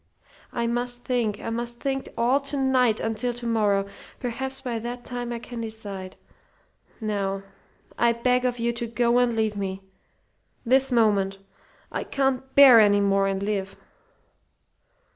I must think. I must think all to night, until to morrow. Perhaps by that time I can decide. Now I beg of you to go and leave me this moment. I can't bear any more and live."